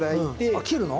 あっ切るの？